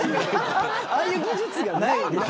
ああいう技術がないでしょ。